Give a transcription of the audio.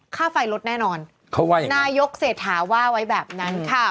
ค่าไฟลดแน่นอนเขาว่ายังไงนายกเศรษฐาว่าไว้แบบนั้นค่ะ